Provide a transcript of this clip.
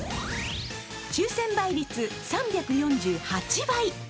抽選倍率３４８倍。